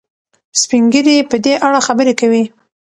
سپین ږیري په دې اړه خبرې کوي.